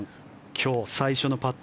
今日最初のパット